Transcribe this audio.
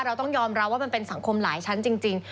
เราต้องยอมรับว่ามันเป็นสังคมหลายชั้นจริง